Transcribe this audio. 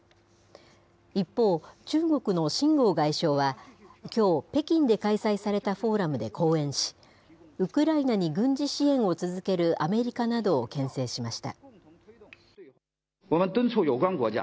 一方、中国の秦剛外相は、きょう、北京で開催されたフォーラムで講演し、ウクライナに軍事支援を続けるアメリカなどをけん制しました。